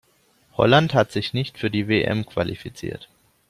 Holland hat sich nicht für die WM qualifiziert.